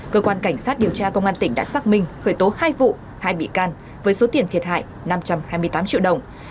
cơ quan cảnh sát điều tra công an tỉnh đã xác minh khởi tố hai vụ hai bị can với số tiền thiệt hại năm trăm hai mươi tám triệu đồng